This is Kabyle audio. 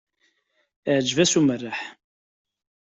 Iεǧeb-as umerreḥ.